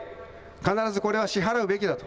必ずこれは支払うべきだ。